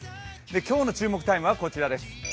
今日の注目タイムはこちらです。